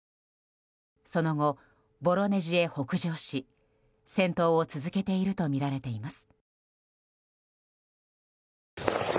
その後、ボロネジへ北上し戦闘を続けているとみられています。